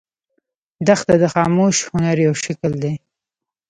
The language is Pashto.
دښته د خاموش هنر یو شکل دی.